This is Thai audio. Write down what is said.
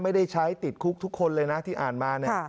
ไม่ได้ใช้ติดคุกทุกคนเลยนะที่อ่านมาเนี่ย